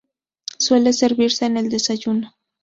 Suele servirse en el desayuno.